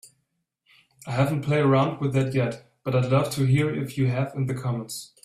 I haven't played around with that yet, but I'd love to hear if you have in the comments.